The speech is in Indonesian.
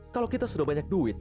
kalau kita sudah banyak duit